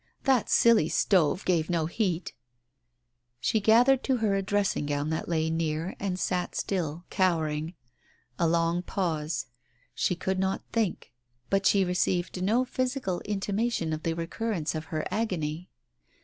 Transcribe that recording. That silly stove gave no heat. .•• She gathered to her a dressing gown that lay near and sat still, cowering. A long pause ! She could not think. But she received no physical intimation of the recurrence of her agony.